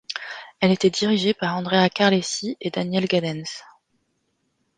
Elle était dirigée par Andrea Carlesi et Daniele Gadenz.